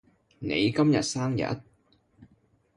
你今日生日？